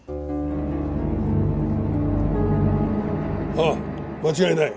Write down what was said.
ああ間違いない。